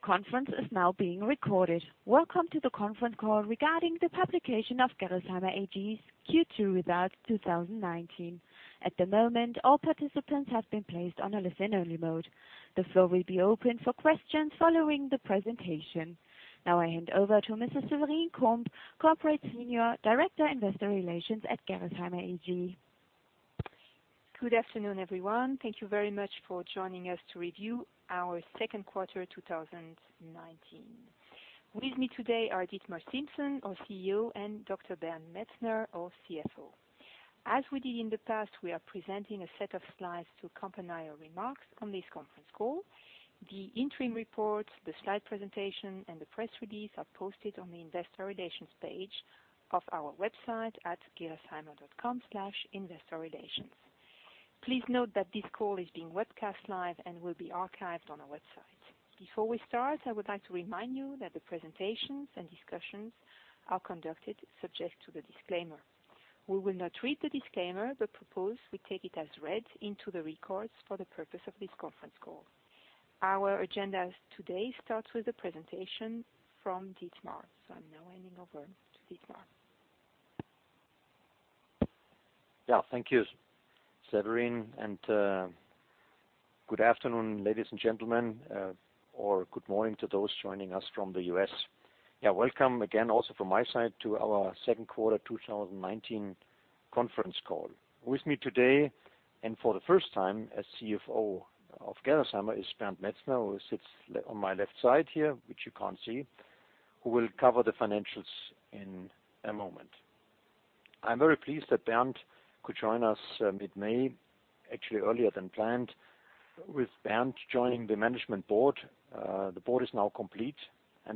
The conference is now being recorded. Welcome to the conference call regarding the publication of Gerresheimer AG's Q2 results 2019. At the moment, all participants have been placed on a listen-only mode. The floor will be open for questions following the presentation. Now I hand over to Mrs. Severine Camp, Corporate Senior Director, Investor Relations at Gerresheimer AG. Good afternoon, everyone. Thank you very much for joining us to review our second quarter 2019. With me today are Dietmar Siemssen, our CEO, and Dr. Bernd Metzner, our CFO. As we did in the past, we are presenting a set of slides to accompany our remarks on this conference call. The interim report, the slide presentation, and the press release are posted on the investor relations page of our website at gerresheimer.com/investor-relations. Please note that this call is being webcast live and will be archived on our website. I would like to remind you that the presentations and discussions are conducted subject to the disclaimer. We will not read the disclaimer, but propose we take it as read into the records for the purpose of this conference call. Our agenda today starts with the presentation from Dietmar. I'm now handing over to Dietmar. Thank you, Severine, good afternoon, ladies and gentlemen, or good morning to those joining us from the U.S. Welcome again, also from my side, to our second quarter 2019 conference call. With me today, for the first time as CFO of Gerresheimer, is Bernd Metzner, who sits on my left side here, which you can't see, who will cover the financials in a moment. I'm very pleased that Bernd could join us mid-May, actually earlier than planned. With Bernd joining the management board, the board is now complete.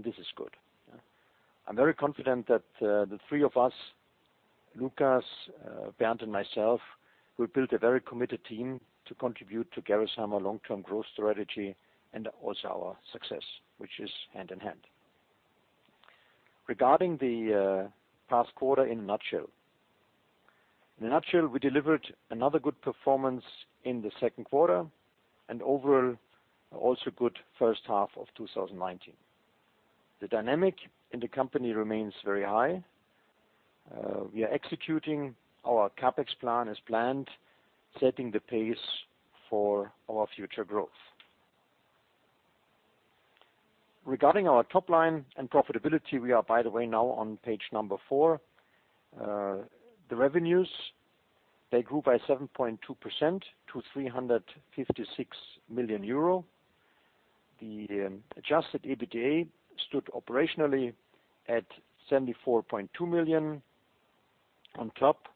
This is good. I'm very confident that the three of us, Lukas, Bernd, and myself, we built a very committed team to contribute to Gerresheimer long-term growth strategy. Also our success, which is hand in hand. Regarding the past quarter in a nutshell. In a nutshell, we delivered another good performance in the second quarter. Overall, also good first half of 2019. The dynamic in the company remains very high. We are executing our CapEx plan as planned, setting the pace for our future growth. Regarding our top line and profitability, we are, by the way, now on page number four. The revenues, they grew by 7.2% to 356 million euro. The adjusted EBITDA stood operationally at 74.2 million. On top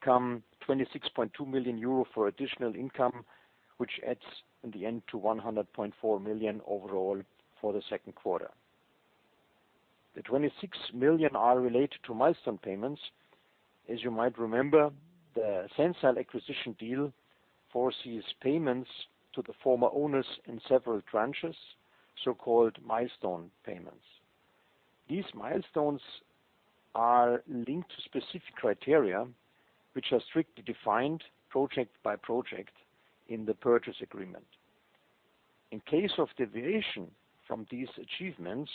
come 26.2 million euro for additional income, which adds in the end to 100.4 million overall for the second quarter. The 26 million are related to milestone payments. As you might remember, the Sensile acquisition deal foresees payments to the former owners in several tranches, so-called milestone payments. These milestones are linked to specific criteria, which are strictly defined project by project in the purchase agreement. In case of deviation from these achievements,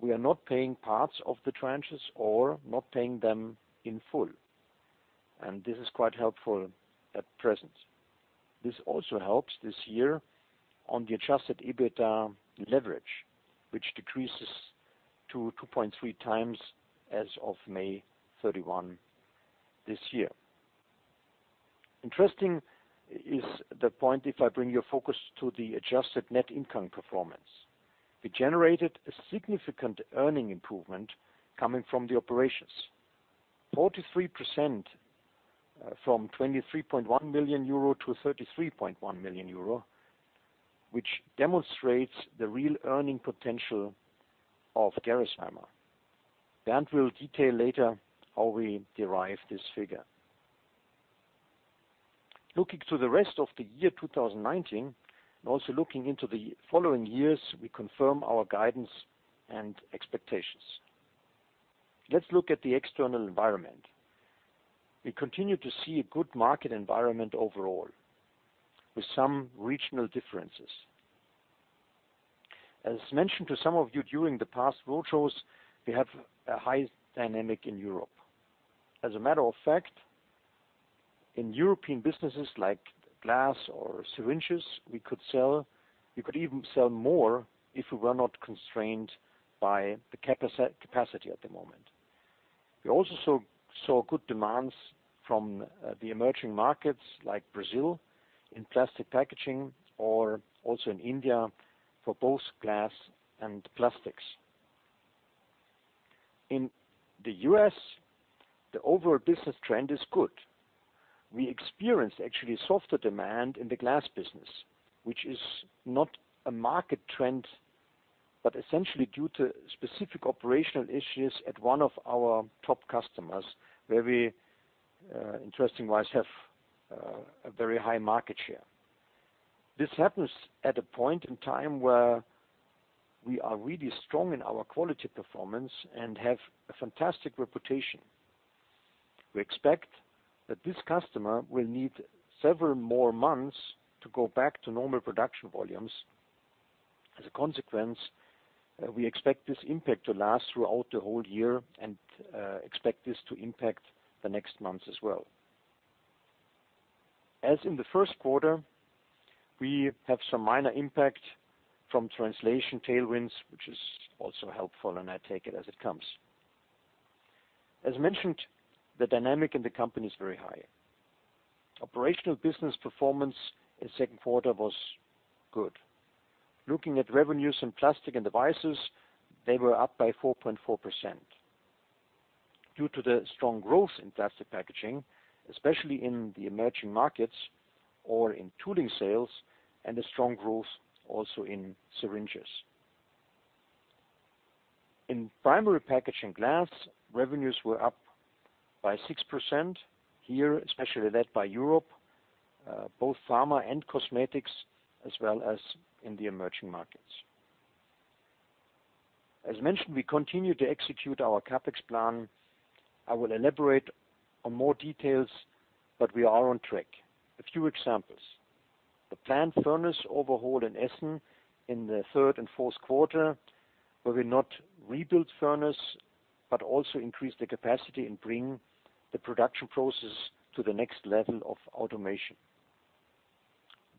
we are not paying parts of the tranches or not paying them in full. This is quite helpful at present. This also helps this year on the adjusted EBITDA leverage, which decreases to 2.3 times as of May 31 this year. Interesting is the point if I bring your focus to the adjusted net income performance. We generated a significant earning improvement coming from the operations, 43% from 23.1 million euro to 33.1 million euro, which demonstrates the real earning potential of Gerresheimer. Bernd will detail later how we derive this figure. Looking to the rest of the year 2019, also looking into the following years, we confirm our guidance and expectations. Let's look at the external environment. We continue to see a good market environment overall, with some regional differences. As mentioned to some of you during the past road shows, we have a high dynamic in Europe. As a matter of fact, in European businesses like glass or syringes, we could even sell more if we were not constrained by the capacity at the moment. We also saw good demands from the emerging markets like Brazil in plastic packaging or also in India for both glass and plastics. In the U.S., the overall business trend is good. We experienced actually softer demand in the glass business, which is not a market trend, essentially due to specific operational issues at one of our top customers, where we, interestingly, have a very high market share. This happens at a point in time where we are really strong in our quality performance and have a fantastic reputation. We expect that this customer will need several more months to go back to normal production volumes. As a consequence, we expect this impact to last throughout the whole year, expect this to impact the next months as well. As in the first quarter, we have some minor impact from translation tailwinds, which is also helpful. I take it as it comes. As mentioned, the dynamic in the company is very high. Operational business performance in second quarter was good. Looking at revenues in Plastics & Devices, they were up by 4.4%. Due to the strong growth in plastic packaging, especially in the emerging markets or in tooling sales, a strong growth also in syringes. In Primary Packaging Glass, revenues were up by 6%, here, especially led by Europe, both pharma and cosmetics, as well as in the emerging markets. As mentioned, we continue to execute our CapEx plan. I will elaborate on more details. We are on track. A few examples. The plant furnace overhaul in Essen in the third and fourth quarter, where we not rebuild furnace, also increase the capacity and bring the production process to the next level of automation.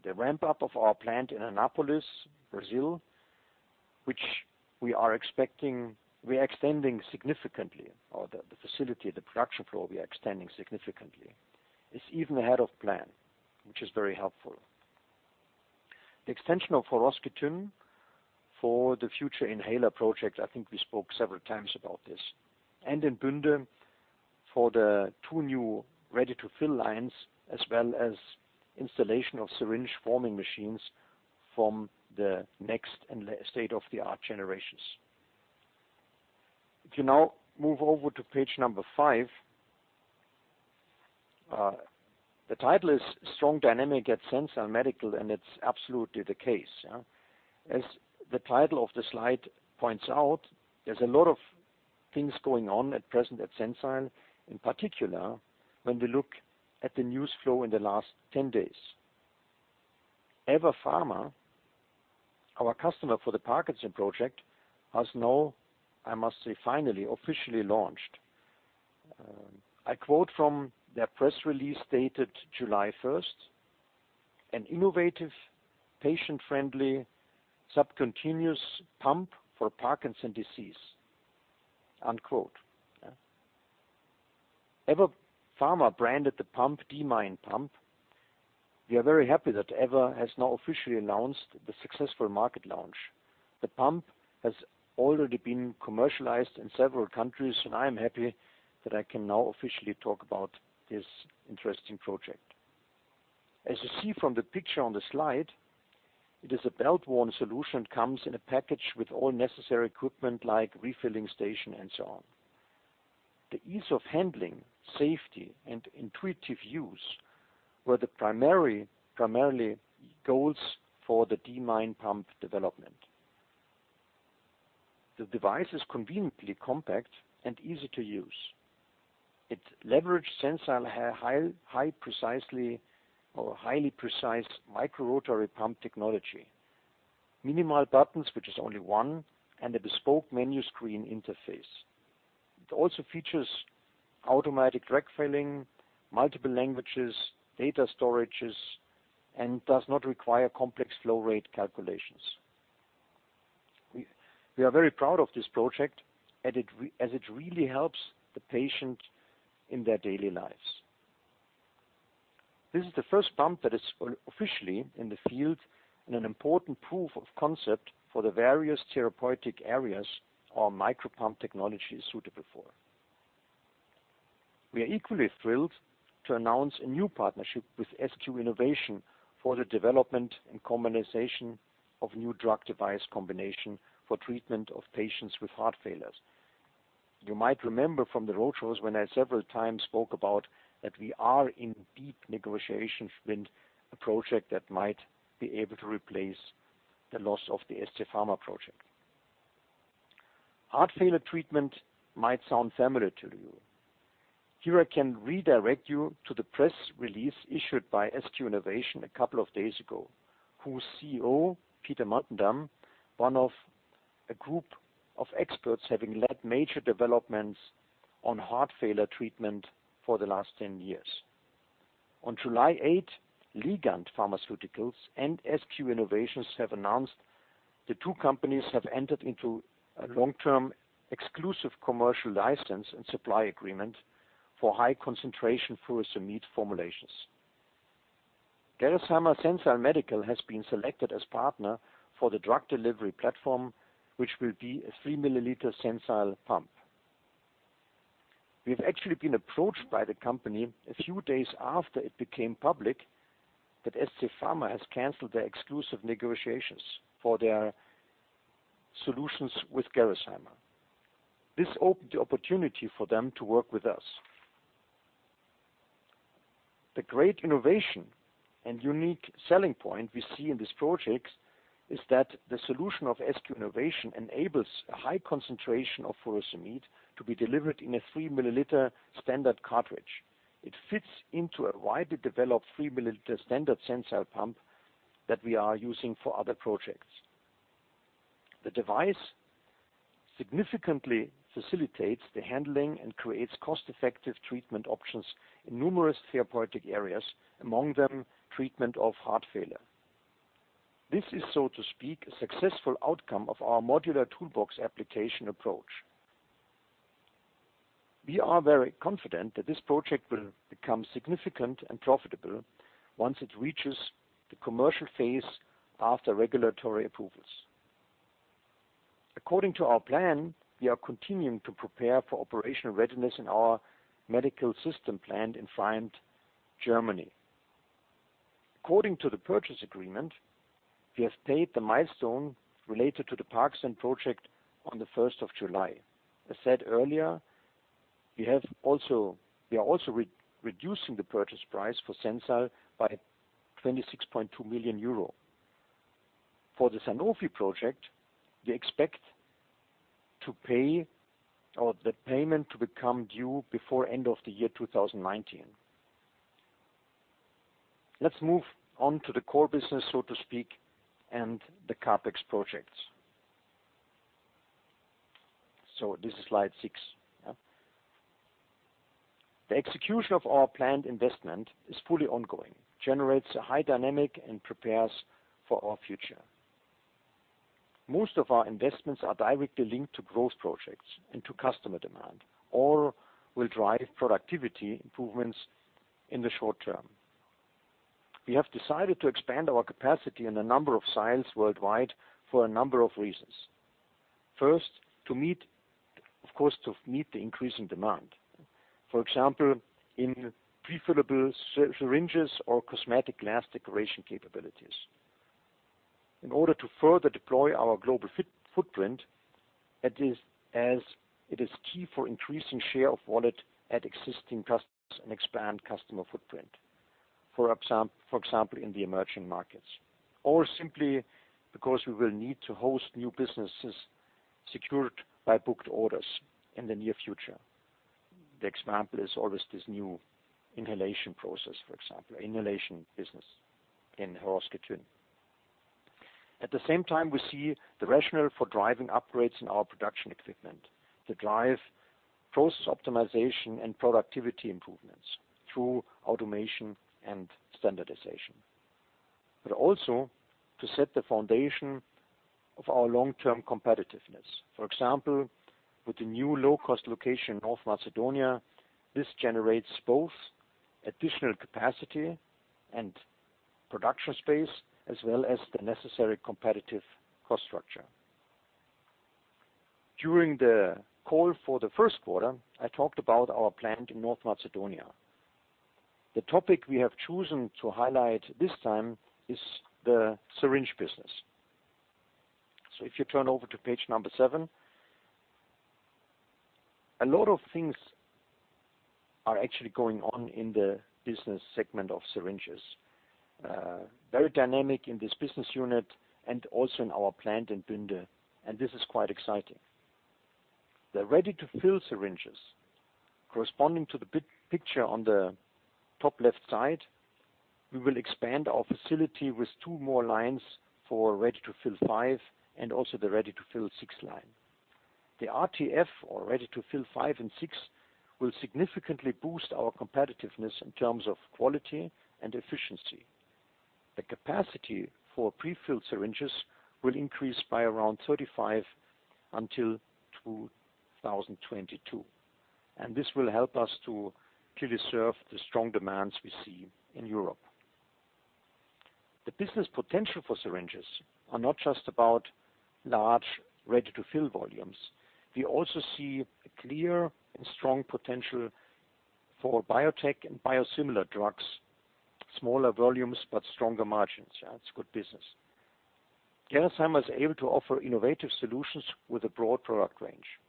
The ramp-up of our plant in Anápolis, Brazil, which we are extending significantly, or the facility, the production floor, we are extending significantly. It's even ahead of plan, which is very helpful. The extension of Horšovský Týn for the future inhaler project, I think we spoke several times about this. In Bünde, for the two new ready-to-fill lines, as well as installation of syringe-forming machines from the next and state-of-the-art generations. If you now move over to page number five. The title is Strong Dynamic at Sensile Medical. It's absolutely the case. As the title of the slide points out, there is a lot of things going on at present at Sensile, in particular, when we look at the news flow in the last 10 days. EVA Pharma, our customer for the Parkinson's project, has now, I must say, finally officially launched. I quote from their press release dated July 1st, "An innovative, patient-friendly, subcutaneous pump for Parkinson's disease." EVA Pharma branded the pump D-Mine pump. We are very happy that EVA has now officially announced the successful market launch. The pump has already been commercialized in several countries. I am happy that I can now officially talk about this interesting project. As you see from the picture on the slide, it is a belt-worn solution, comes in a package with all necessary equipment like refilling station and so on. The ease of handling, safety, and intuitive use were the primary goals for the D-Mine pump development. The device is conveniently compact and easy to use. It leverages Sensile highly precise microrotary pump technology. Minimal buttons, which is only one, and a bespoke menu screen interface. It also features automatic drug filling, multiple languages, data storage, and does not require complex flow rate calculations. We are very proud of this project, as it really helps the patient in their daily lives. This is the first pump that is officially in the field and an important proof of concept for the various therapeutic areas our micropump technology is suitable for. We are equally thrilled to announce a new partnership with SQ Innovation for the development and commercialization of new drug-device combination for treatment of patients with heart failure. You might remember from the road shows when I several times spoke about that we are in deep negotiations with a project that might be able to replace the loss of the ST Pharma project. Heart failure treatment might sound familiar to you. Here I can redirect you to the press release issued by SQ Innovation a couple of days ago, whose CEO, Pieter Muntendam, one of a group of experts having led major developments on heart failure treatment for the last 10 years. On July 8, Ligand Pharmaceuticals and SQ Innovation have announced the two companies have entered into a long-term exclusive commercial license and supply agreement for high concentration furosemide formulations. Gerresheimer Sensile Medical has been selected as partner for the drug delivery platform, which will be a three-milliliter Sensile pump. We've actually been approached by the company a few days after it became public that ST Pharma has canceled their exclusive negotiations for their solutions with Gerresheimer. This opened the opportunity for them to work with us. The great innovation and unique selling point we see in this project is that the solution of SQ Innovation enables a high concentration of furosemide to be delivered in a three-milliliter standard cartridge. It fits into a widely developed three-milliliter standard Sensile pump that we are using for other projects. The device significantly facilitates the handling and creates cost-effective treatment options in numerous therapeutic areas, among them treatment of heart failure. This is, so to speak, a successful outcome of our modular toolbox application approach. We are very confident that this project will become significant and profitable once it reaches the commercial phase after regulatory approvals. According to our plan, we are continuing to prepare for operational readiness in our medical system plant in Pfreimd, Germany. According to the purchase agreement, we have paid the milestone related to the Parkinson's project on the 1st of July. As said earlier, we are also reducing the purchase price for Sensile by 26.2 million euro. For the Sanofi project, we expect the payment to become due before end of 2019. Let's move on to the core business, so to speak, and the CapEx projects. This is slide six. The execution of our planned investment is fully ongoing, generates a high dynamic, and prepares for our future. Most of our investments are directly linked to growth projects and to customer demand or will drive productivity improvements in the short term. We have decided to expand our capacity in a number of sites worldwide for a number of reasons. First, of course, to meet the increasing demand. For example, in prefillable syringes or cosmetic glass decoration capabilities. In order to further deploy our global footprint, as it is key for increasing share of wallet at existing customers and expand customer footprint, for example, in the emerging markets, or simply because we will need to host new businesses secured by booked orders in the near future. The example is always this new inhalation process, for example, inhalation business in Horšovský Týn. At the same time, we see the rationale for driving upgrades in our production equipment to drive process optimization and productivity improvements through automation and standardization, but also to set the foundation of our long-term competitiveness. For example, with the new low-cost location, North Macedonia, this generates both additional capacity and production space, as well as the necessary competitive cost structure. During the call for the first quarter, I talked about our plant in North Macedonia. The topic we have chosen to highlight this time is the syringe business. If you turn over to page number seven, a lot of things are actually going on in the business segment of syringes. Very dynamic in this business unit and also in our plant in Bünde, and this is quite exciting. The ready-to-fill syringes, corresponding to the picture on the top left side, we will expand our facility with two more lines for ready-to-fill five and also the ready-to-fill six line. The RTF or ready-to-fill five and six will significantly boost our competitiveness in terms of quality and efficiency. The capacity for prefillable syringes will increase by around 35% until 2022, and this will help us to deserve the strong demands we see in Europe. The business potential for syringes are not just about large ready-to-fill volumes. We also see a clear and strong potential for biotech and biosimilar drugs, smaller volumes, but stronger margins. It's good business. Gerresheimer is able to offer innovative solutions with a broad product range,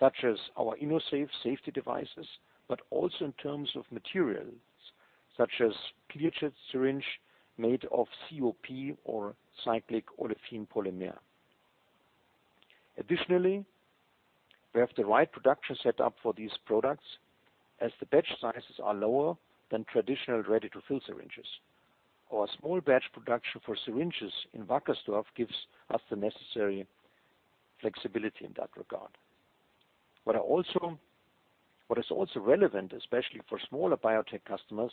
such as our Gx InnoSafe safety devices, but also in terms of materials, such as clear syringe made of COP or cyclic olefin polymer. Additionally, we have the right production set up for these products as the batch sizes are lower than traditional ready-to-fill syringes, or a small batch production for syringes in Wackersdorf gives us the necessary flexibility in that regard. What is also relevant, especially for smaller biotech customers,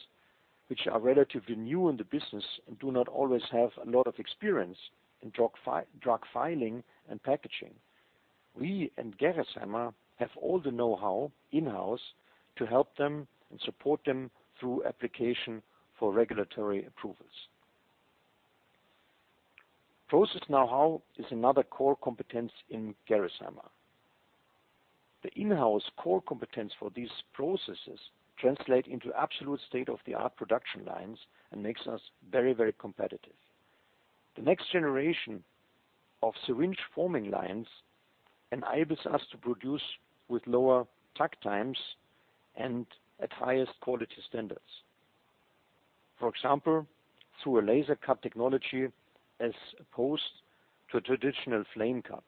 which are relatively new in the business and do not always have a lot of experience in drug filing and packaging. We and Gerresheimer have all the know-how in-house to help them and support them through application for regulatory approvals. Process know-how is another core competence in Gerresheimer. The in-house core competence for these processes translate into absolute state-of-the-art production lines and makes us very competitive. The next generation of syringe forming lines enables us to produce with lower takt times and at highest quality standards. For example, through a laser cut technology as opposed to a traditional flame cut,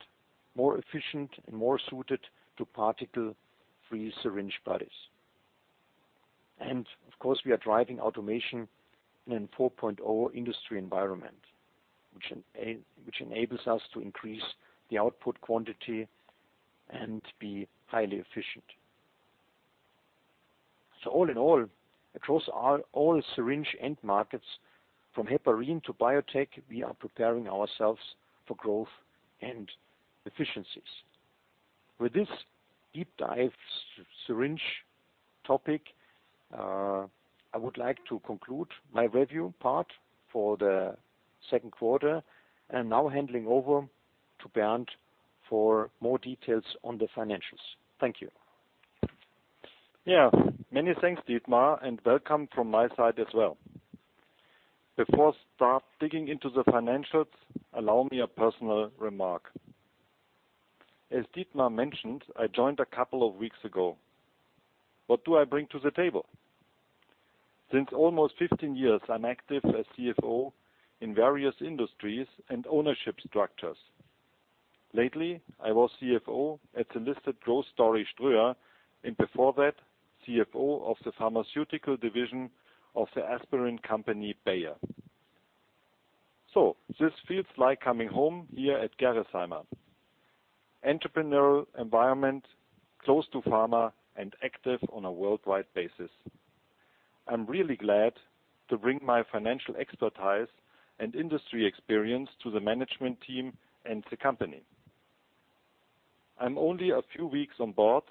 more efficient and more suited to particle-free syringe bodies. Of course, we are driving automation in Industry 4.0 environment, which enables us to increase the output quantity and be highly efficient. All in all, across all syringe end markets from heparin to biotech, we are preparing ourselves for growth and efficiencies. With this deep dive syringe topic, I would like to conclude my review part for the second quarter, and now handing over to Bernd for more details on the financials. Thank you. Many thanks, Dietmar, and welcome from my side as well. Before start digging into the financials, allow me a personal remark. As Dietmar mentioned, I joined a couple of weeks ago. What do I bring to the table? Since almost 15 years, I'm active as CFO in various industries and ownership structures. Lately, I was CFO at the listed growth story, Ströer, and before that, CFO of the pharmaceutical division of the aspirin company, Bayer. This feels like coming home here at Gerresheimer. Entrepreneur environment, close to pharma, and active on a worldwide basis. I'm really glad to bring my financial expertise and industry experience to the management team and the company. I'm only a few weeks on board,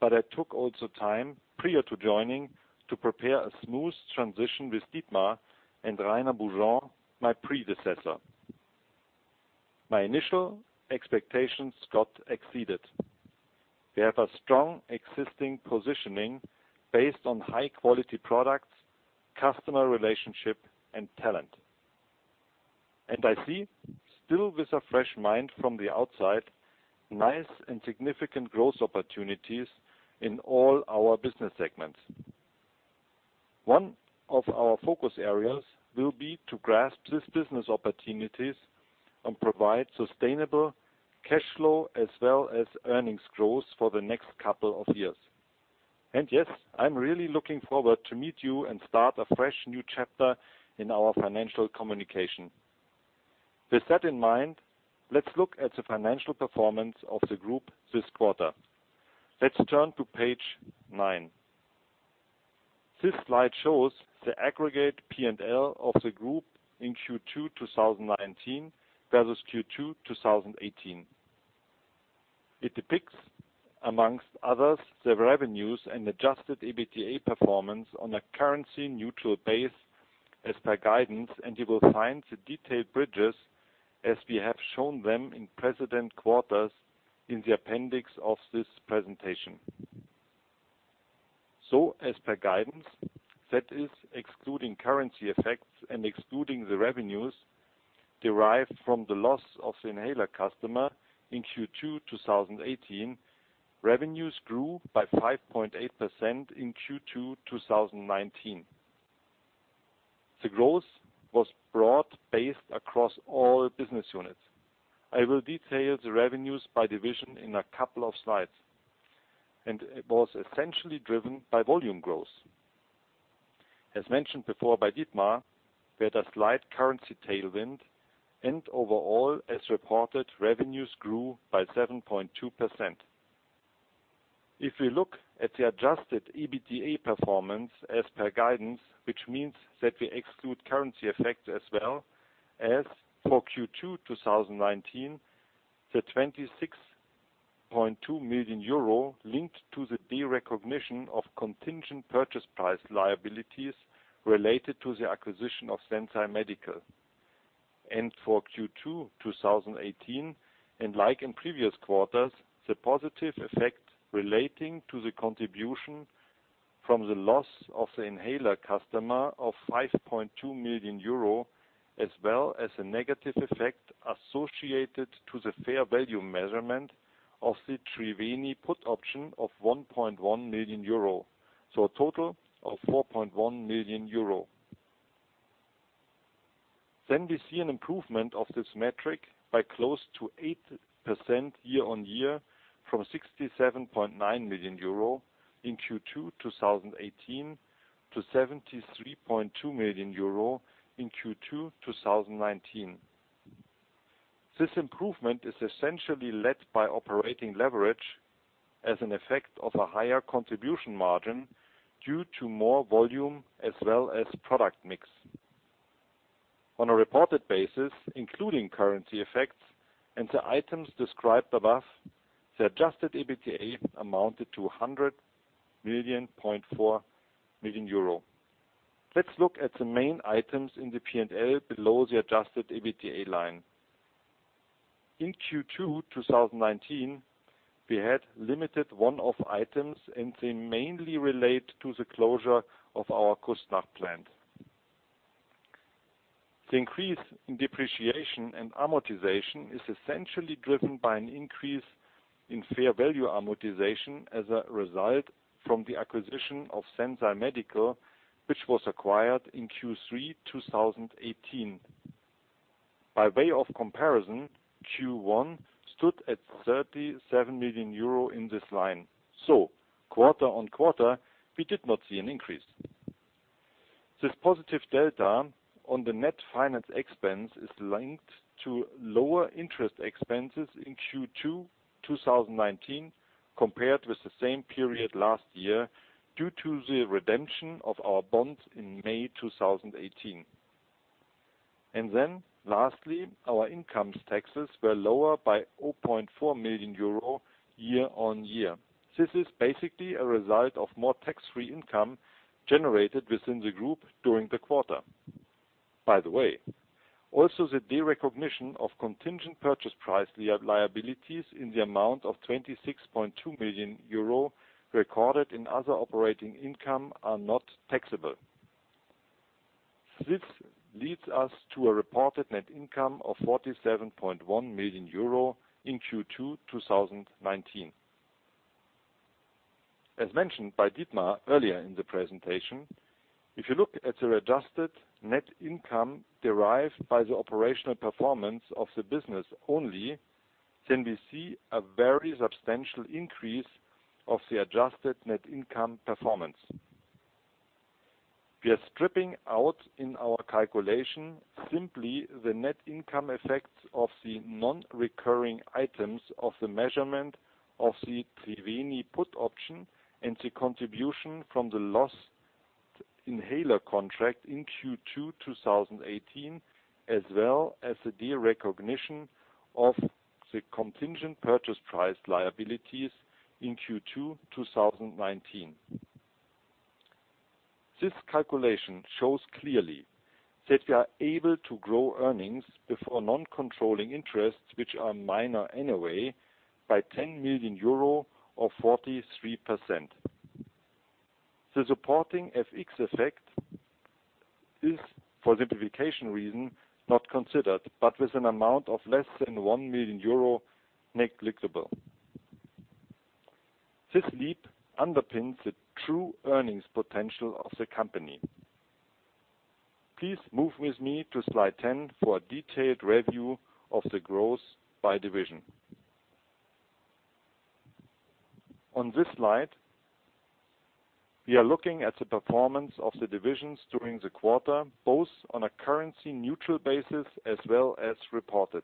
but I took also time prior to joining to prepare a smooth transition with Dietmar and Rainer Beaujean, my predecessor. My initial expectations got exceeded. We have a strong existing positioning based on high-quality products, customer relationship, and talent. I see, still with a fresh mind from the outside, nice and significant growth opportunities in all our business segments. One of our focus areas will be to grasp these business opportunities and provide sustainable cash flow as well as earnings growth for the next couple of years. Yes, I'm really looking forward to meet you and start a fresh new chapter in our financial communication. With that in mind, let's look at the financial performance of the group this quarter. Let's turn to page nine. This slide shows the aggregate P&L of the group in Q2 2019 versus Q2 2018. It depicts, among others, the revenues and adjusted EBITDA performance on a currency-neutral base as per guidance. You will find the detailed bridges as we have shown them in precedent quarters in the appendix of this presentation. As per guidance, that is excluding currency effects and excluding the revenues derived from the loss of the inhaler customer in Q2 2018, revenues grew by 5.8% in Q2 2019. The growth was broad-based across all business units. I will detail the revenues by division in a couple of slides. It was essentially driven by volume growth. As mentioned before by Dietmar, we had a slight currency tailwind, and overall, as reported, revenues grew by 7.2%. If we look at the adjusted EBITDA performance as per guidance, which means that we exclude currency effects as well as for Q2 2019, the 26.2 million euro linked to the derecognition of contingent purchase price liabilities related to the acquisition of Sensile Medical. For Q2 2018, and like in previous quarters, the positive effect relating to the contribution from the loss of the inhaler customer of 5.2 million euro, as well as a negative effect associated to the fair value measurement of the Triveni put option of 1.1 million euro. A total of 4.1 million euro. We see an improvement of this metric by close to 8% year-over-year from 67.9 million euro in Q2 2018 to 73.2 million euro in Q2 2019. This improvement is essentially led by operating leverage as an effect of a higher contribution margin due to more volume as well as product mix. On a reported basis, including currency effects and the items described above, the adjusted EBITDA amounted to 100.4 million. Let's look at the main items in the P&L below the adjusted EBITDA line. In Q2 2019, we had limited one-off items, and they mainly relate to the closure of our Küssnacht plant. The increase in depreciation and amortization is essentially driven by an increase in fair value amortization as a result from the acquisition of Sensile Medical, which was acquired in Q3 2018. By way of comparison, Q1 stood at 37 million euro in this line. Quarter-over-quarter, we did not see an increase. This positive delta on the net finance expense is linked to lower interest expenses in Q2 2019 compared with the same period last year, due to the redemption of our bonds in May 2018. Lastly, our income taxes were lower by 0.4 million euro year-over-year. This is basically a result of more tax-free income generated within the group during the quarter. By the way, also the derecognition of contingent purchase price liabilities in the amount of 26.2 million euro recorded in other operating income are not taxable. This leads us to a reported net income of 47.1 million euro in Q2 2019. As mentioned by Dietmar earlier in the presentation, if you look at the adjusted net income derived by the operational performance of the business only, we see a very substantial increase of the adjusted net income performance. We are stripping out in our calculation simply the net income effects of the non-recurring items of the measurement of the Triveni put option and the contribution from the lost inhaler contract in Q2 2018, as well as the derecognition of the contingent purchase price liabilities in Q2 2019. This calculation shows clearly that we are able to grow earnings before non-controlling interests, which are minor anyway, by 10 million euro or 43%. The supporting FX effect is, for simplification reason, not considered, but with an amount of less than 1 million euro negligible. This leap underpins the true earnings potential of the company. Please move with me to slide 10 for a detailed review of the growth by division. On this slide, we are looking at the performance of the divisions during the quarter, both on a currency-neutral basis as well as reported.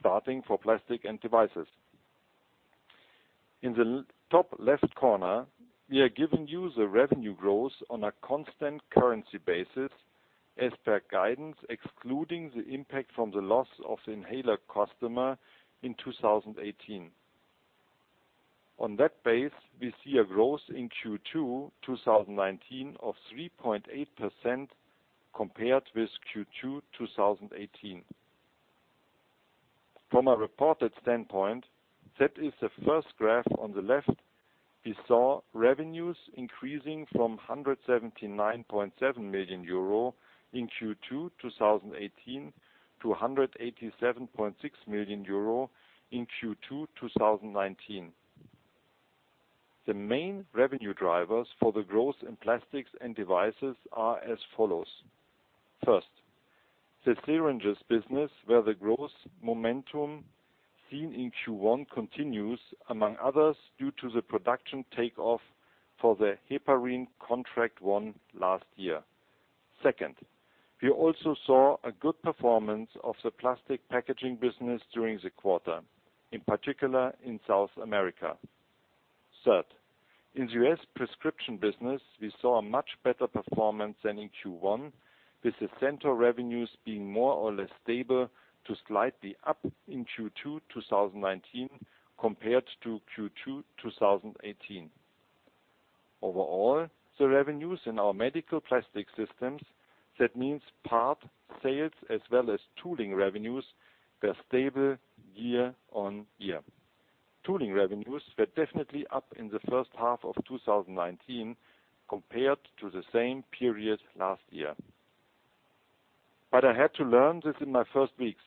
Starting for Plastics & Devices. In the top left corner, we are giving you the revenue growth on a constant currency basis as per guidance, excluding the impact from the loss of the inhaler customer in 2018. On that base, we see a growth in Q2 2019 of 3.8% compared with Q2 2018. From a reported standpoint, that is the first graph on the left, we saw revenues increasing from 179.7 million euro in Q2 2018 to 187.6 million euro in Q2 2019. The main revenue drivers for the growth in Plastics & Devices are as follows. First, the syringes business, where the growth momentum seen in Q1 continues, among others, due to the production takeoff for the heparin contract won last year. Second, we also saw a good performance of the plastic packaging business during the quarter, in particular in South America. Third, in the U.S. prescription business, we saw a much better performance than in Q1, with the center revenues being more or less stable to slightly up in Q2 2019 compared to Q2 2018. Overall, the revenues in our medical plastics systems, that means part sales as well as tooling revenues, were stable year-on-year. Tooling revenues were definitely up in the first half of 2019 compared to the same period last year. I had to learn this in my first weeks.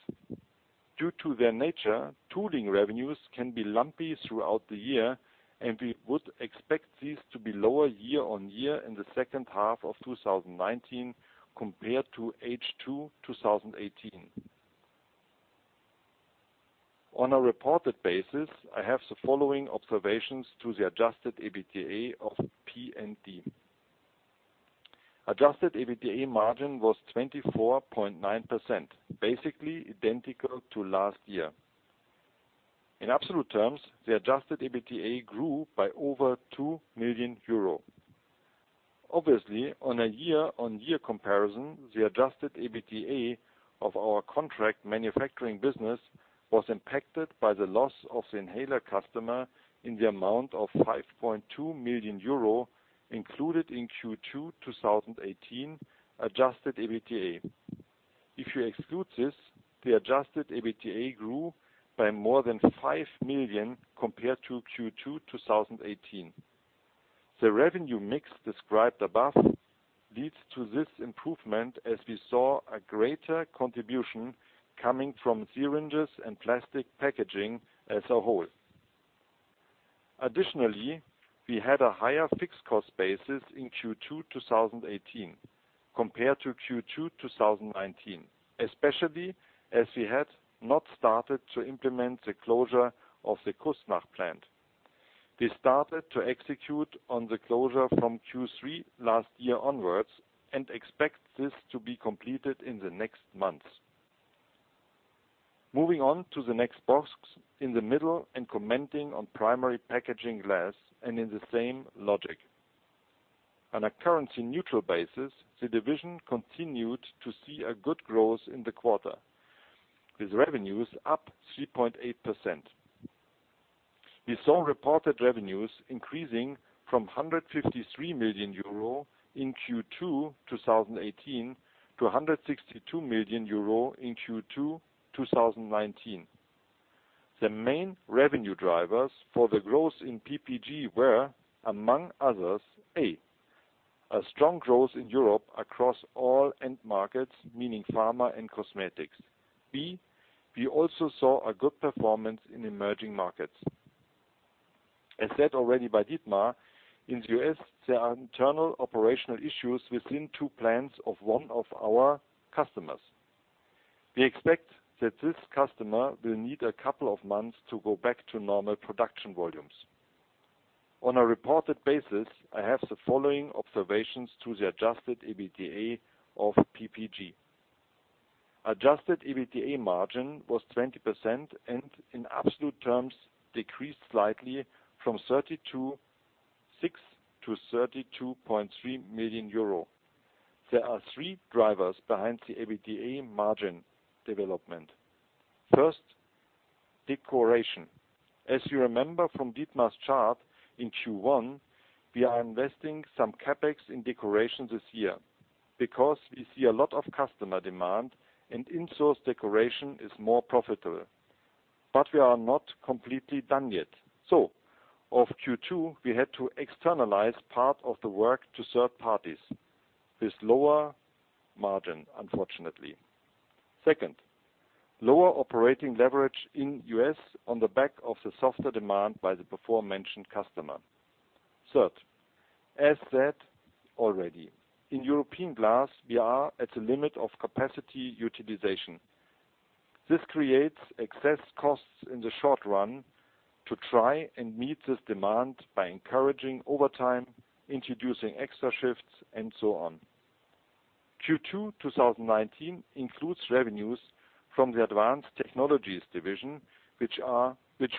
Due to their nature, tooling revenues can be lumpy throughout the year, and we would expect these to be lower year-on-year in the second half of 2019 compared to H2 2018. On a reported basis, I have the following observations to the Adjusted EBITDA of P&D. Adjusted EBITDA margin was 24.9%, basically identical to last year. In absolute terms, the Adjusted EBITDA grew by over 2 million euro. Obviously, on a year-on-year comparison, the Adjusted EBITDA of our contract manufacturing business was impacted by the loss of the inhaler customer in the amount of 5.2 million euro included in Q2 2018 Adjusted EBITDA. If you exclude this, the Adjusted EBITDA grew by more than 5 million compared to Q2 2018. The revenue mix described above leads to this improvement as we saw a greater contribution coming from syringes and plastic packaging as a whole. Additionally, we had a higher fixed cost basis in Q2 2018 compared to Q2 2019, especially as we had not started to implement the closure of the Küssnacht plant. We started to execute on the closure from Q3 last year onwards and expect this to be completed in the next months. Moving on to the next box in the middle and commenting on Primary Packaging Glass and in the same logic. On a currency-neutral basis, the division continued to see a good growth in the quarter, with revenues up 3.8%. We saw reported revenues increasing from 153 million euro in Q2 2018 to 162 million euro in Q2 2019. The main revenue drivers for the growth in PPG were, among others: A, a strong growth in Europe across all end markets, meaning pharma and cosmetics. B, we also saw a good performance in emerging markets. As said already by Dietmar, in the U.S., there are internal operational issues within two plants of one of our customers. We expect that this customer will need a couple of months to go back to normal production volumes. On a reported basis, I have the following observations to the adjusted EBITDA of PPG. Adjusted EBITDA margin was 20% and in absolute terms decreased slightly from 32.6 million to 32.3 million euro. There are three drivers behind the EBITDA margin development. First, decoration. As you remember from Dietmar's chart in Q1, we are investing some CapEx in decoration this year because we see a lot of customer demand and in-source decoration is more profitable. We are not completely done yet. Of Q2, we had to externalize part of the work to third parties with lower margin, unfortunately. Second, lower operating leverage in U.S. on the back of the softer demand by the before-mentioned customer. Third, as said already, in European glass, we are at the limit of capacity utilization. This creates excess costs in the short run to try and meet this demand by encouraging overtime, introducing extra shifts, and so on. Q2 2019 includes revenues from the Advanced Technologies division, which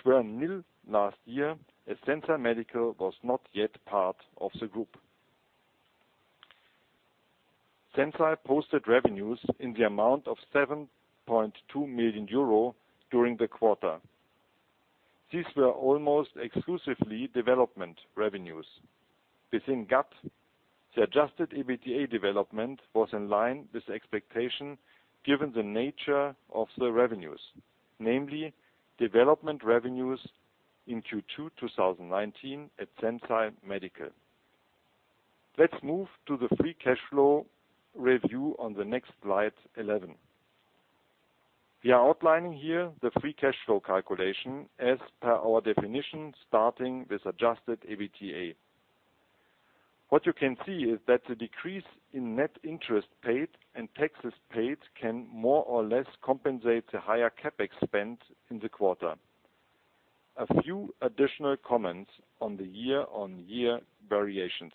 were nil last year, as Sensile Medical was not yet part of the group. Sensile posted revenues in the amount of 7.2 million euro during the quarter. These were almost exclusively development revenues. Within GAT, the adjusted EBITDA development was in line with expectation given the nature of the revenues, namely development revenues in Q2 2019 at Sensile Medical. Let's move to the free cash flow review on the next slide 11. We are outlining here the free cash flow calculation as per our definition, starting with adjusted EBITDA. What you can see is that the decrease in net interest paid and taxes paid can more or less compensate the higher CapEx spend in the quarter. A few additional comments on the year-on-year variations.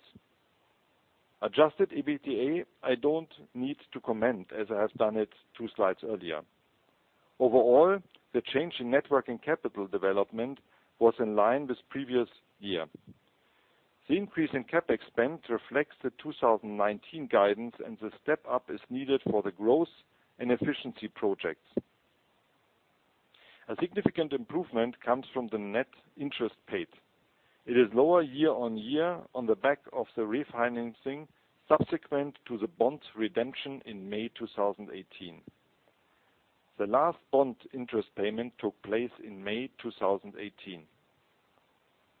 Adjusted EBITDA, I don't need to comment as I have done it two slides earlier. Overall, the change in net working capital development was in line with previous year. The increase in CapEx spend reflects the 2019 guidance, and the step-up is needed for the growth and efficiency projects. A significant improvement comes from the net interest paid. It is lower year-on-year on the back of the refinancing subsequent to the bond redemption in May 2018. The last bond interest payment took place in May 2018.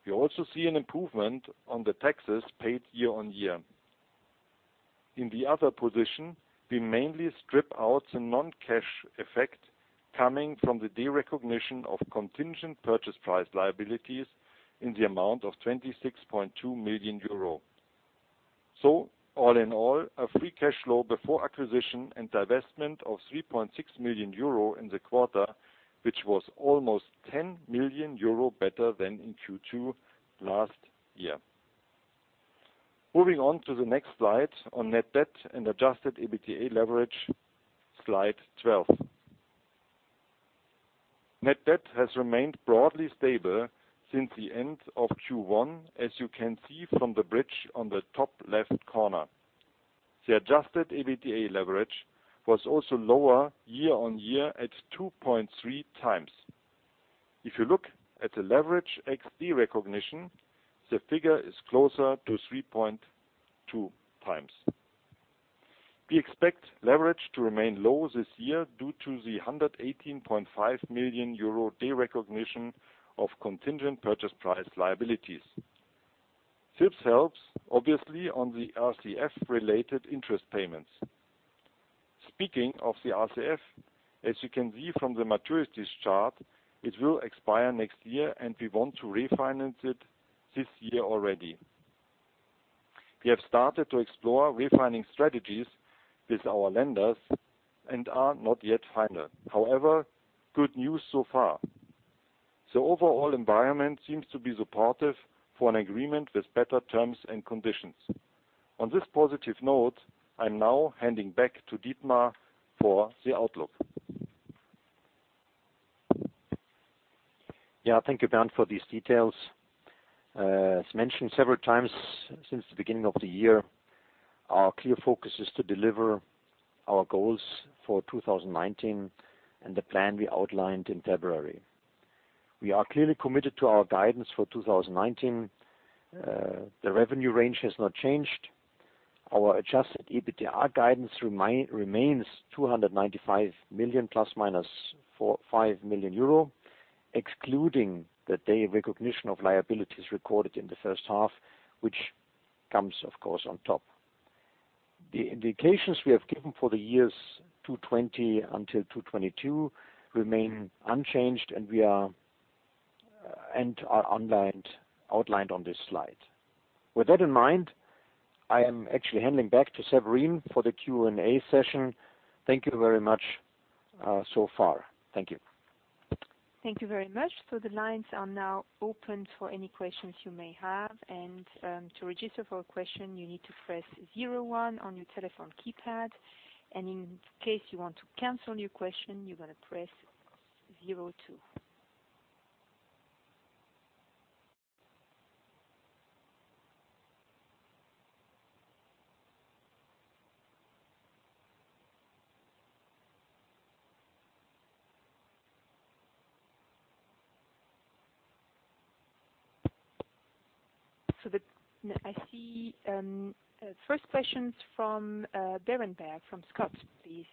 We also see an an improvement on the taxes paid year-on-year. In the other position, we mainly strip out the non-cash effect coming from the derecognition of contingent purchase price liabilities in the amount of 26.2 million euro. All in all, a free cash flow before acquisition and divestment of 3.6 million euro in the quarter, which was almost 10 million euro better than in Q2 last year. Moving on to the next slide on net debt and adjusted EBITDA leverage, slide 12. Net debt has remained broadly stable since the end of Q1, as you can see from the bridge on the top left corner. The adjusted EBITDA leverage was also lower year-on-year at 2.3 times. If you look at the leverage XD recognition, the figure is closer to 3.2 times. We expect leverage to remain low this year due to the 118.5 million euro de-recognition of contingent purchase price liabilities. This helps obviously on the RCF related interest payments. Speaking of the RCF, as you can see from the maturities chart, it will expire next year and we want to refinance it this year already. We have started to explore refining strategies with our lenders and are not yet final. However, good news so far. Overall environment seems to be supportive for an agreement with better terms and conditions. On this positive note, I'm now handing back to Dietmar for the outlook. Thank you Bernd for these details. As mentioned several times since the beginning of the year, our clear focus is to deliver our goals for 2019 and the plan we outlined in February. We are clearly committed to our guidance for 2019. The revenue range has not changed. Our adjusted EBITDA guidance remains 295 million ± 5 million euro, excluding the de-recognition of liabilities recorded in the first half, which comes of course on top. The indications we have given for the years 2020 until 2022 remain unchanged and are outlined on this slide. With that in mind, I am actually handing back to Severine for the Q&A session. Thank you very much so far. Thank you. Thank you very much. The lines are now open for any questions you may have, and to register for a question you need to press zero one on your telephone keypad, and in case you want to cancel your question, you're going to press zero two. I see first question is from Berenberg, from Scott, please.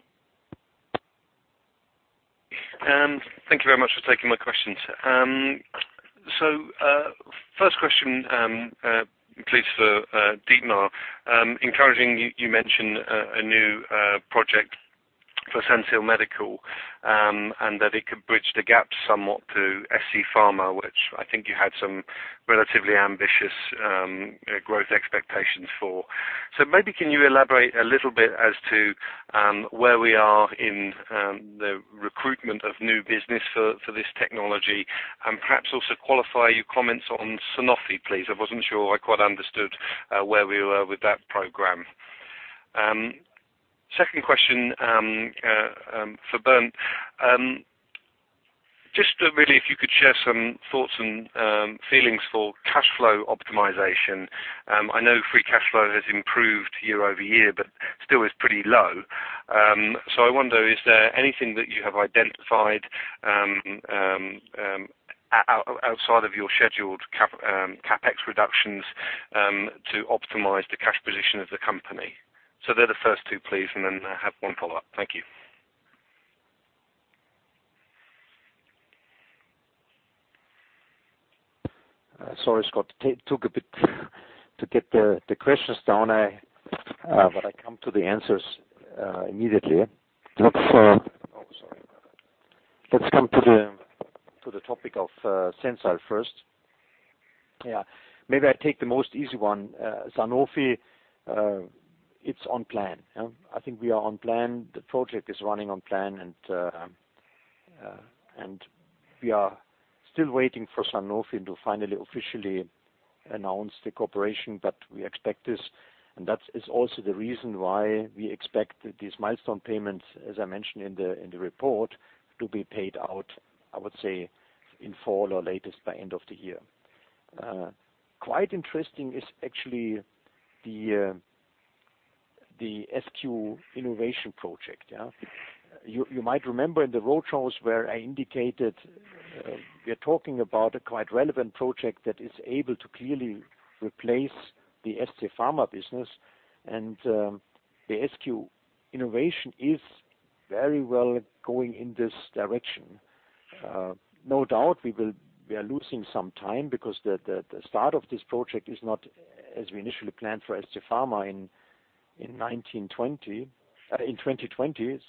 Thank you very much for taking my questions. First question, please for Dietmar. Encouraging you mentioned a new project for Sensile Medical, and that it could bridge the gap somewhat to ST Pharm, which I think you had some relatively ambitious growth expectations for. Maybe can you elaborate a little bit as to where we are in the recruitment of new business for this technology and perhaps also qualify your comments on Sanofi, please. I wasn't sure I quite understood where we were with that program. Second question for Bernd. Just really if you could share some thoughts and feelings for cash flow optimization. I know free cash flow has improved year-over-year, but still is pretty low. I wonder, is there anything that you have identified outside of your scheduled CapEx reductions to optimize the cash position of the company? They're the first two, please, and then I have one follow-up. Thank you. Sorry, Scott, took a bit to get the questions down but I come to the answers immediately. Sorry. Let's come to the topic of Sensile first. Maybe I take the most easy one. Sanofi, it's on plan. I think we are on plan. The project is running on plan and we are still waiting for Sanofi to finally officially announce the cooperation, but we expect this and that is also the reason why we expect these milestone payments, as I mentioned in the report, to be paid out, I would say in fall or latest by end of the year. Quite interesting is actually the SQ Innovation project. You might remember in the road shows where I indicated we are talking about a quite relevant project that is able to clearly replace the ST Pharm business. The SQ Innovation is very well going in this direction. No doubt we are losing some time because the start of this project is not as we initially planned for ST Pharm in 2020. 2020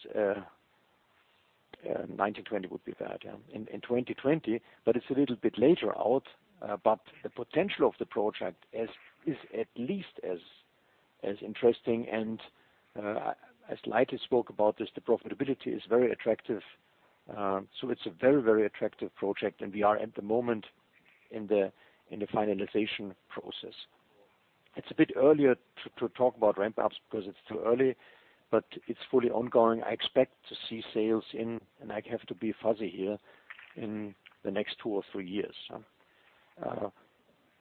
would be bad. In 2020, but it's a little bit later out. The potential of the project is at least as interesting and as I slightly spoke about this, the profitability is very attractive. It's a very, very attractive project and we are at the moment in the finalization process. It's a bit earlier to talk about ramp-ups because it's too early, but it's fully ongoing. I expect to see sales in, and I have to be fuzzy here, in the next two or three years.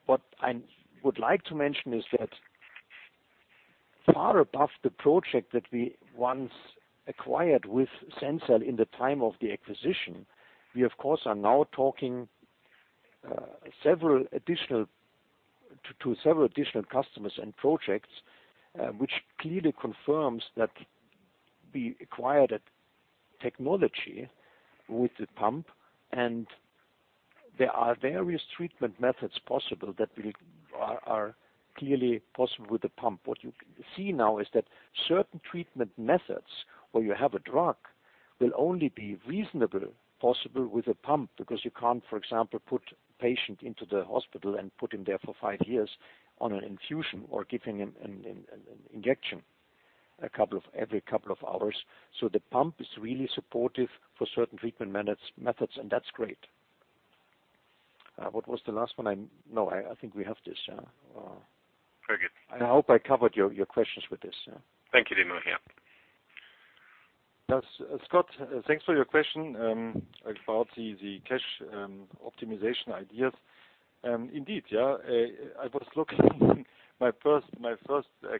What I would like to mention is that far above the project that we once acquired with Sensile in the time of the acquisition, we, of course, are now talking to several additional customers and projects, which clearly confirms that we acquired that technology with the pump and there are various treatment methods possible that are clearly possible with the pump. What you see now is that certain treatment methods where you have a drug will only be reasonably possible with a pump, because you can't, for example, put patient into the hospital and put him there for five years on an infusion or giving him an injection every couple of hours. The pump is really supportive for certain treatment methods, and that's great. What was the last one? No, I think we have this, yeah. Very good. I hope I covered your questions with this, yeah. Thank you, Dietmar. Yeah. Scott, thanks for your question about the cash optimization ideas. Indeed, yeah, my first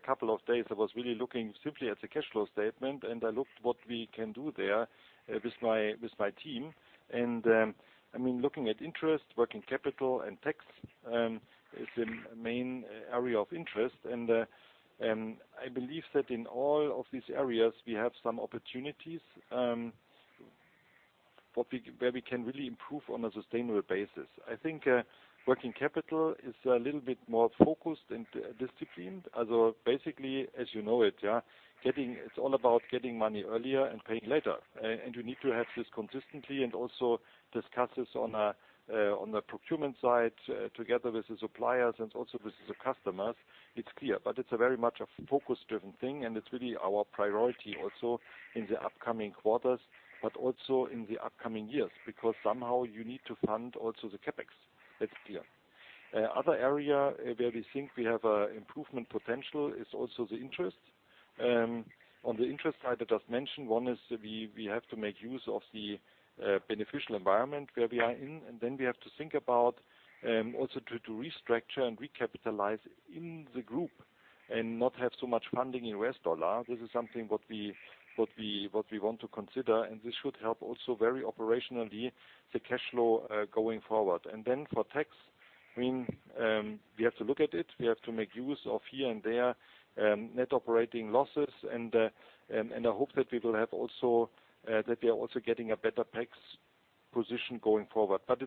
couple of days, I was really looking simply at the cash flow statement, and I looked what we can do there with my team. Looking at interest, working capital, and tax is the main area of interest. I believe that in all of these areas, we have some opportunities where we can really improve on a sustainable basis. I think working capital is a little bit more focused and disciplined as basically, as you know it, yeah. It's all about getting money earlier and paying later. You need to have this consistently and also discuss this on the procurement side together with the suppliers and also with the customers. It's clear. It's a very much a focus-driven thing, and it's really our priority also in the upcoming quarters, but also in the upcoming years. Because somehow you need to fund also the CapEx. That's clear. Other area where we think we have improvement potential is also the interest. On the interest side, I just mentioned one is we have to make use of the beneficial environment where we are in, and then we have to think about also to restructure and recapitalize in the group and not have so much funding in US dollar. This is something what we want to consider, and this should help also very operationally the cash flow going forward. For tax, we have to look at it. We have to make use of here and there net operating losses, and I hope that we are also getting a better tax position going forward. As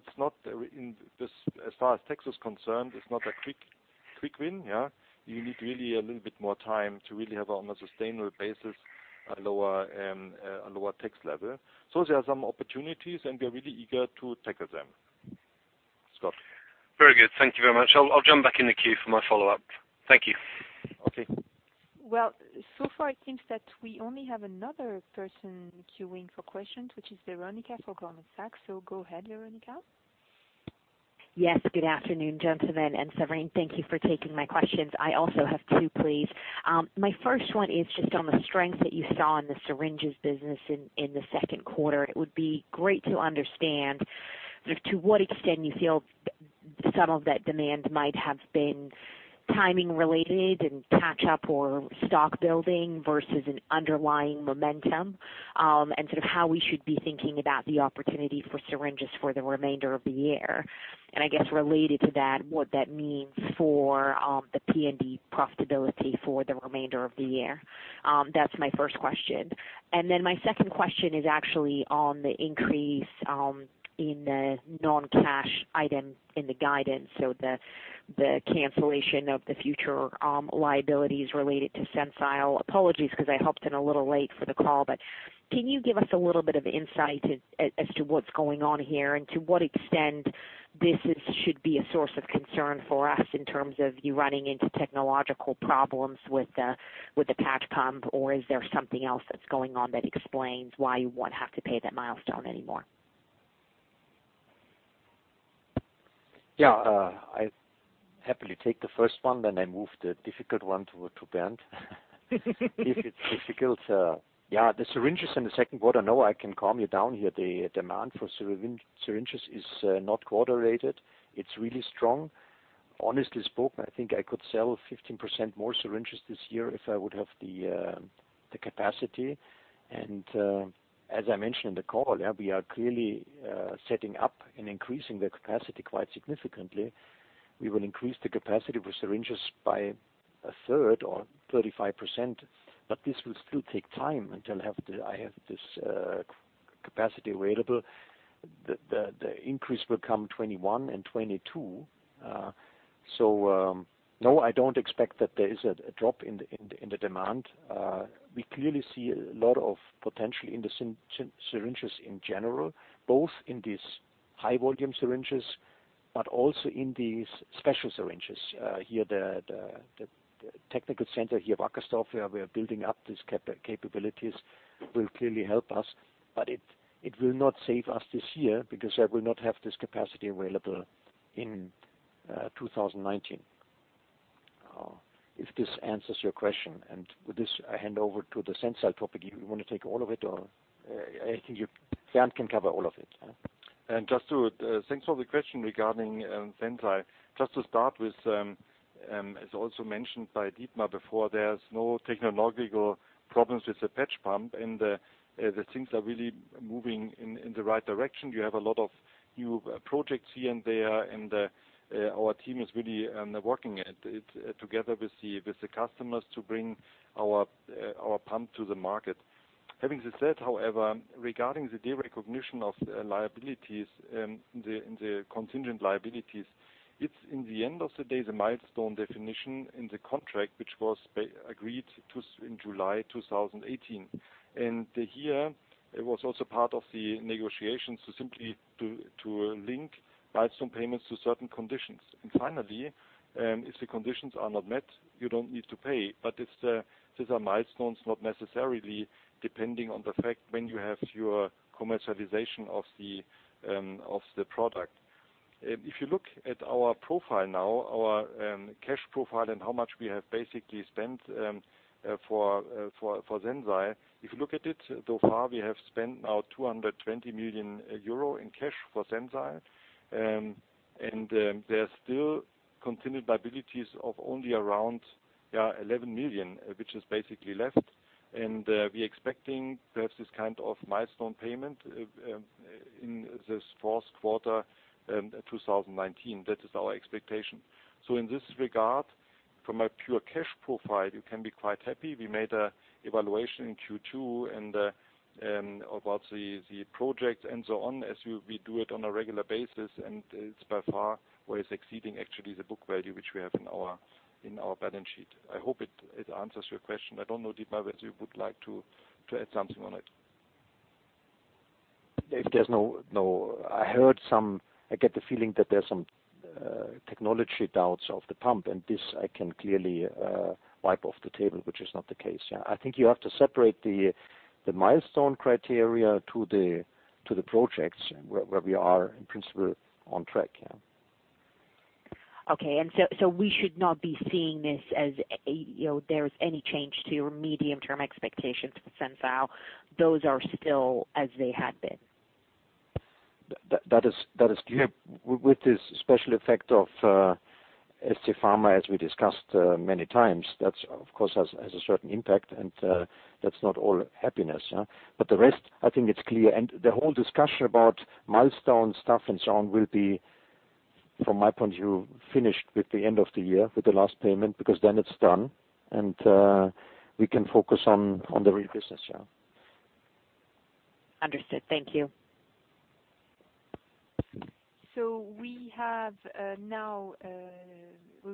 far as tax is concerned, it's not a quick win. Yeah. You need really a little bit more time to really have on a sustainable basis, a lower tax level. There are some opportunities, and we are really eager to tackle them. Scott. Very good. Thank you very much. I'll jump back in the queue for my follow-up. Thank you. Okay. Well, so far it seems that we only have another person queuing for questions, which is Veronika for Goldman Sachs. Go ahead, Veronika. Yes. Good afternoon, gentlemen and Severine, thank you for taking my questions. I also have two, please. My first one is just on the strength that you saw in the syringes business in the second quarter. It would be great to understand to what extent you feel some of that demand might have been timing related and catch up or stock building versus an underlying momentum, and how we should be thinking about the opportunity for syringes for the remainder of the year. I guess related to that, what that means for the P&D profitability for the remainder of the year. That's my first question. My second question is actually on the increase in the non-cash item in the guidance, the cancellation of the future liabilities related to Sensile. Apologies, because I hopped in a little late for the call, can you give us a little bit of insight as to what's going on here and to what extent this should be a source of concern for us in terms of you running into technological problems with the patch pump, or is there something else that's going on that explains why you won't have to pay that milestone anymore? I happily take the first one, I move the difficult one to Bernd. If it's difficult. The syringes in the second quarter, no, I can calm you down here. The demand for syringes is not quarter-related. It's really strong. Honestly spoken, I think I could sell 15% more syringes this year if I would have the capacity. As I mentioned in the call, we are clearly setting up and increasing the capacity quite significantly. We will increase the capacity with syringes by a third or 35%, but this will still take time until I have this capacity available. The increase will come 2021 and 2022. No, I don't expect that there is a drop in the demand. We clearly see a lot of potential in the syringes in general, both in these high volume syringes, but also in these special syringes. Here, the technical center here, Wackersdorf, where we are building up these capabilities will clearly help us, but it will not save us this year because I will not have this capacity available in 2019. If this answers your question, with this, I hand over to the Sensile topic. You want to take all of it or anything. Bernd can cover all of it. Thanks for the question regarding Sensile. Just to start with, as also mentioned by Dietmar before, there's no technological problems with the patch pump. The things are really moving in the right direction. We have a lot of new projects here and there, our team is really working at it together with the customers to bring our pump to the market. Having said however, regarding the derecognition of the contingent liabilities, it's in the end of the day, the milestone definition in the contract which was agreed to in July 2018. Here it was also part of the negotiations to simply link milestone payments to certain conditions. Finally, if the conditions are not met, you don't need to pay. These are milestones not necessarily depending on the fact when you have your commercialization of the product. If you look at our profile now, our cash profile and how much we have basically spent for Sensile. If you look at it, so far we have spent now 220 million euro in cash for Sensile. There's still contingent liabilities of only around 11 million EUR, which is basically left. We expecting perhaps this kind of milestone payment in this fourth quarter 2019. That is our expectation. In this regard, from a pure cash profile, you can be quite happy. We made a evaluation in Q2 about the project and so on, as we do it on a regular basis, it's by far what is exceeding actually the book value which we have in our balance sheet. I hope it answers your question. I don't know, Dietmar, whether you would like to add something on it. I get the feeling that there's some technology doubts of the pump, and this I can clearly wipe off the table, which is not the case. I think you have to separate the milestone criteria to the projects where we are in principle on track. Okay. We should not be seeing this as there's any change to your medium-term expectations for Sensile. Those are still as they had been. That is clear. With this special effect of ST Pharm, as we discussed many times, that of course, has a certain impact and that's not all happiness. The rest, I think it's clear. The whole discussion about milestone stuff and so on will be, from my point of view, finished with the end of the year with the last payment, because then it's done and we can focus on the real business. Understood. Thank you. We're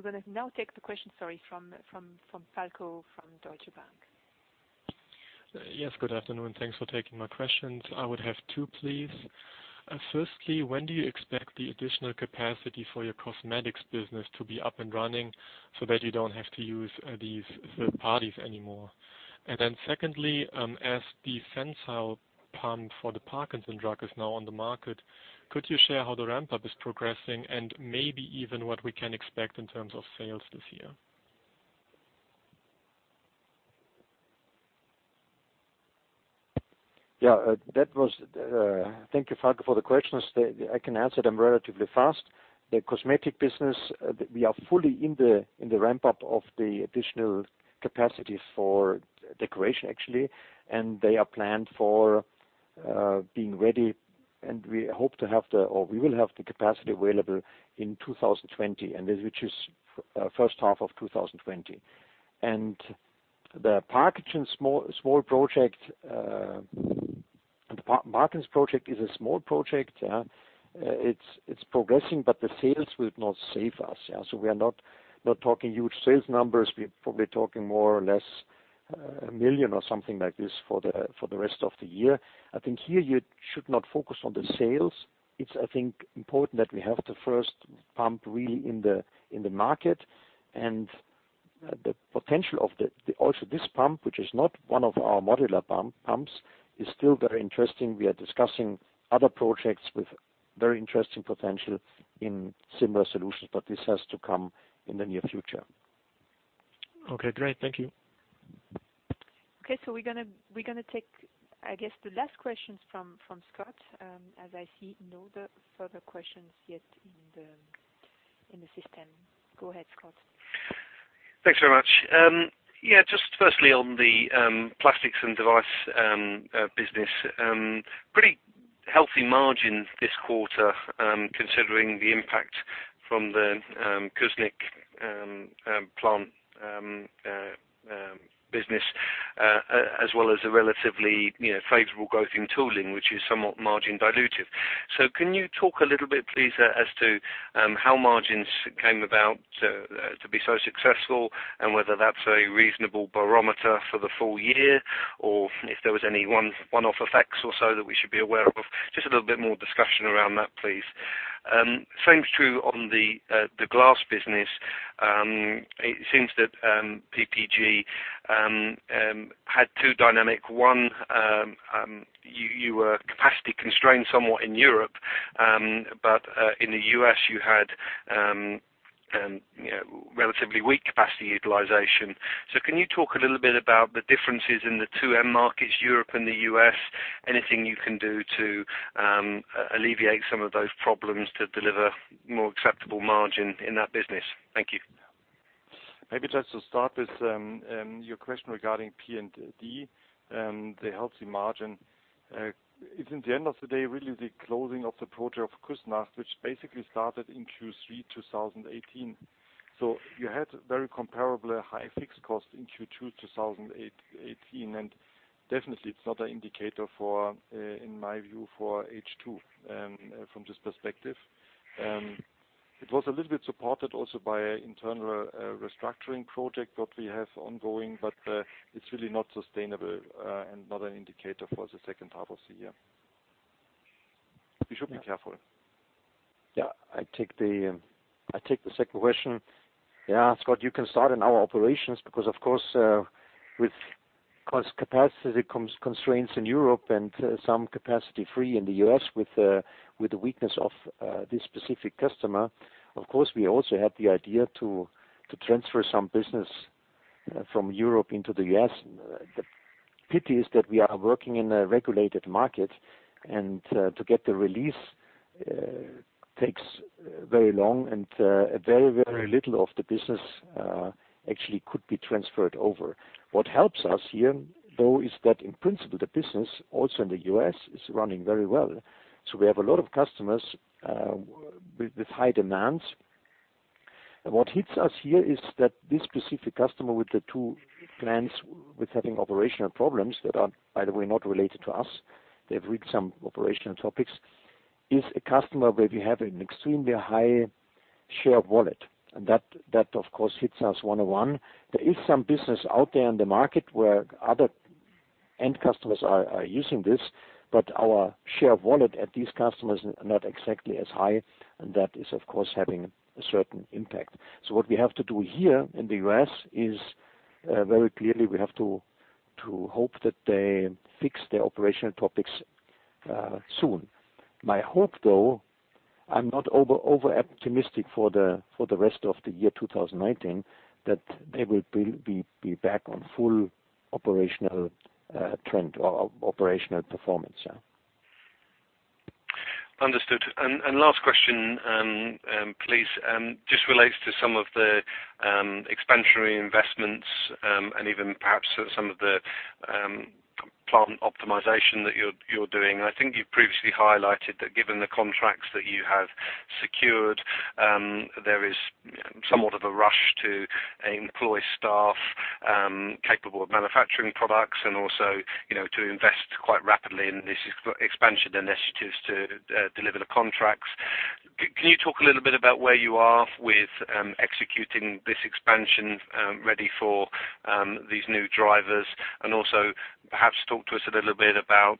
going to now take the question, sorry, from Falko, from Deutsche Bank. Yes, good afternoon. Thanks for taking my questions. I would have two, please. Firstly, when do you expect the additional capacity for your cosmetics business to be up and running so that you don't have to use these third parties anymore? Secondly, as the Sensile pump for the Parkinson drug is now on the market, could you share how the ramp-up is progressing and maybe even what we can expect in terms of sales this year? Thank you, Falko, for the questions. I can answer them relatively fast. The cosmetic business, we are fully in the ramp-up of the additional capacity for decoration, actually. They are planned for being ready, and we will have the capacity available in 2020, and this which is first half of 2020. The Parkinson small project. The Parkinson project is a small project. It's progressing, but the sales will not save us. We are not talking huge sales numbers. We're probably talking more or less 1 million or something like this for the rest of the year. I think here you should not focus on the sales. It's, I think, important that we have the first pump really in the market and the potential of also this pump, which is not one of our modular pumps, is still very interesting. We are discussing other projects with very interesting potential in similar solutions, but this has to come in the near future. Okay, great. Thank you. Okay, we're going to take, I guess, the last questions from Scott, as I see no other further questions yet in the system. Go ahead, Scott. Thanks very much. Yeah, just firstly on the Plastics & Devices business. Pretty healthy margin this quarter, considering the impact from the Küssnacht plant business, as well as the relatively favorable growth in tooling, which is somewhat margin dilutive. Can you talk a little bit, please, as to how margins came about to be so successful and whether that's a reasonable barometer for the full year or if there was any one-off effects or so that we should be aware of? Just a little bit more discussion around that, please. Same is true on the glass business. It seems that PPG had two dynamics. One, you were capacity constrained somewhat in Europe. In the U.S. you had relatively weak capacity utilization. Can you talk a little bit about the differences in the two end markets, Europe and the U.S.? Anything you can do to alleviate some of those problems to deliver more acceptable margin in that business? Thank you. Maybe just to start with your question regarding P&D, the healthy margin. It's in the end of the day, really the closing of the project of Küssnacht, which basically started in Q3 2018. You had very comparable high fixed costs in Q2 2018, and definitely it's not an indicator, in my view, for H2 from this perspective. It was a little bit supported also by internal restructuring project that we have ongoing, but it's really not sustainable and not an indicator for the second half of the year. We should be careful. Yeah, I take the second question. Yeah, Scott, you can start in our operations because, of course, with capacity constraints in Europe and some capacity free in the U.S. with the weakness of this specific customer, of course, we also had the idea to transfer some business from Europe into the U.S. The pity is that we are working in a regulated market, and to get the release takes very long and very little of the business actually could be transferred over. What helps us here, though, is that in principle, the business also in the U.S. is running very well. We have a lot of customers with high demands. What hits us here is that this specific customer with the two plants, with having operational problems that are, by the way, not related to us, they've reached some operational topics, is a customer where we have an extremely high share of wallet. That, of course, hits us one-on-one. There is some business out there in the market where other end customers are using this, but our share of wallet at these customers are not exactly as high, and that is, of course, having a certain impact. What we have to do here in the U.S. is very clearly we have to hope that they fix their operational topics soon. My hope, though, I'm not over optimistic for the rest of the year 2019, that they will be back on full operational trend or operational performance. Yeah. Understood. Last question, please, just relates to some of the expansionary investments, and even perhaps some of the plant optimization that you're doing. I think you've previously highlighted that given the contracts that you have secured, there is somewhat of a rush to employ staff capable of manufacturing products and also to invest quite rapidly in these expansion initiatives to deliver the contracts. Can you talk a little bit about where you are with executing this expansion ready for these new drivers? Also perhaps talk to us a little bit about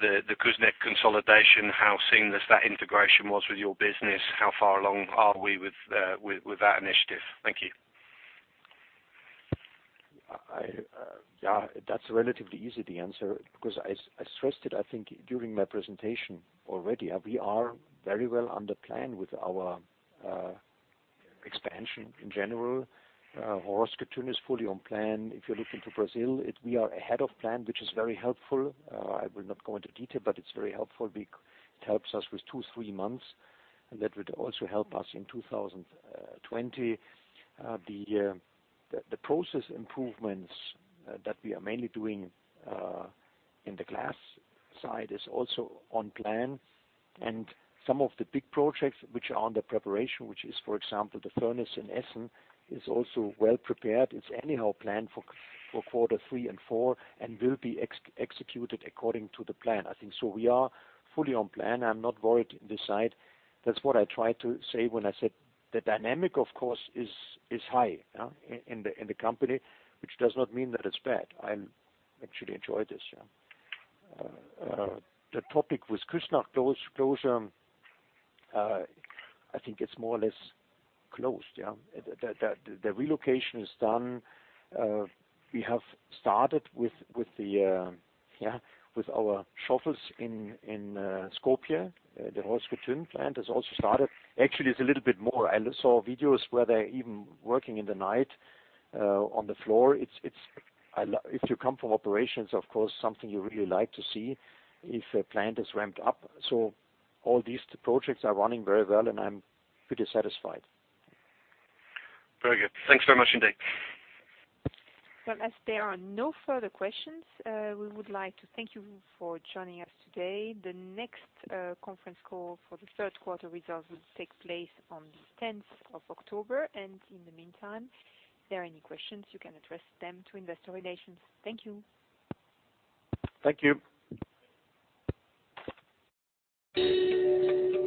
the Küssnacht consolidation, how seamless that integration was with your business. How far along are we with that initiative? Thank you. Yeah, that's relatively easy, the answer, because I stressed it, I think, during my presentation already. We are very well under plan with our expansion in general. Horšovský Týn is fully on plan. If you're looking to Brazil, we are ahead of plan, which is very helpful. I will not go into detail, but it's very helpful. It helps us with two, three months, and that would also help us in 2020. The process improvements that we are mainly doing in the glass side is also on plan. Some of the big projects which are under preparation, which is, for example, the furnace in Essen, is also well-prepared. It's anyhow planned for quarter three and four and will be executed according to the plan, I think. We are fully on plan. I'm not worried in this side. That's what I tried to say when I said the dynamic, of course, is high in the company, which does not mean that it's bad. I actually enjoy this. The topic with Küssnacht closure, I think it's more or less closed. The relocation is done. We have started with our shuffles in Skopje. The Horšovský Týn plant has also started. Actually, it's a little bit more. I saw videos where they're even working in the night on the floor. If you come from operations, of course, something you really like to see if a plant is ramped up. All these projects are running very well, and I'm pretty satisfied. Very good. Thanks very much indeed. Well, as there are no further questions, we would like to thank you for joining us today. The next conference call for the third quarter results will take place on the 10th of October. In the meantime, if there are any questions, you can address them to investor relations. Thank you. Thank you.